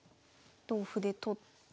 同歩で取って。